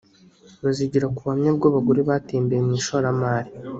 bazigira ku buhamya bw’abagore bateye imbere mu ishoramari